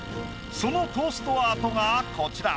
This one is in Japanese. そのトーストアートがこちら。